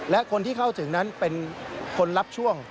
และคนที่เข้าถึงนั้นเป็นคนรับช่วง